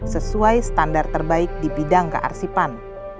sesuai standar terbaik di bidang kearsipan